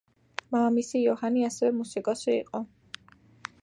მამამისი იოჰანი ასევე მუსიკოსი იყო.